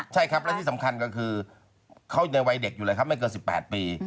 ใช่ครับและที่สำคัญก็คือเข้าในวัยเด็กอยู่เลยครับไม่เกิน๑๘ปี